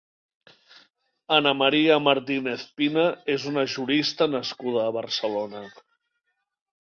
Ana María Martínez-Pina és una jurista nascuda a Barcelona.